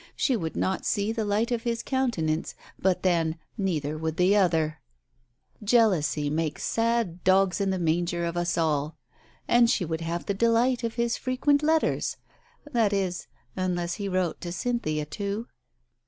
She would not see the light of his countenance, but then, neither would the other ! Jealousy makes sad dogs in the manger of us all. And she would have the delight of his frequent letters. That is, unless he wrote to Cynthia too?